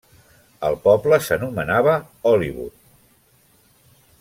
El poble s'anomenava Hollywood.